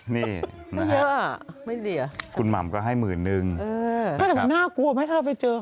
นี่นะครับคุณหม่ำก็ให้หมื่นหนึ่งนะครับไม่เยอะอ่ะไม่เหลี่ย